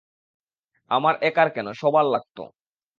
আমার একার কেন, সবার লাগত।